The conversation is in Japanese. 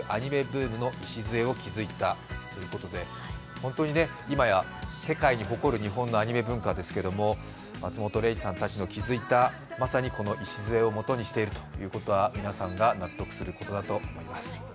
ホントに今や世界に誇る日本のアニメ文化ですけれども松本零士さんたちの築いたまさにこの礎をもとにしているということは皆さんが納得することだと思います。